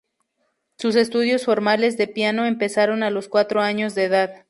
Sus estudios formales de piano empezaron a los cuatro años de edad.